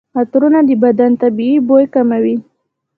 عطرونه د بدن طبیعي بوی کموي.